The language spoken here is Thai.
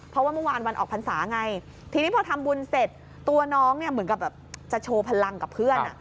เพราะว่าเมื่อวานวันออกพรรษาไงทีนี้พอทำบุญเสร็จตัวน้องเนี่ยเหมือนกับแบบจะโชว์พลังกับเพื่อน